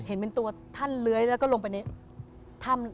เห็นเป็นตัวท่านเลื้อยแล้วก็ลงไปในถ้ำ